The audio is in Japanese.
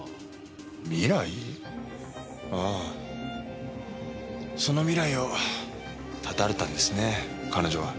ああその未来を絶たれたんですね彼女は。